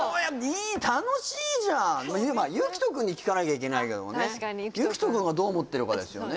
楽しいじゃんまあゆきとくんに聞かなきゃいけないけどもねゆきとくんがどう思ってるかですよね